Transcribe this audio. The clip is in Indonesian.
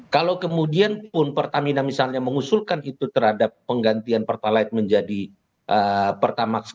kalau kemudian pun pertamina misalnya mengusulkan itu terhadap penggantian pertalite menjadi pertamax